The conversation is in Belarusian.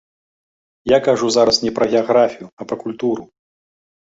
Я кажу зараз не пра геаграфію, а пра культуру.